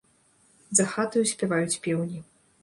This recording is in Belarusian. За хатаю спяваюць пеўні.